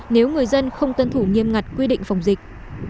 nếu người dân không tân thủ nghiêm ngặt quy định phòng dịch